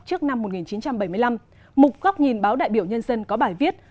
trước năm một nghìn chín trăm bảy mươi năm một góc nhìn báo đại biểu nhân dân có bài viết